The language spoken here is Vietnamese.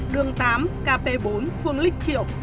đường tám kp bốn phương lích triệu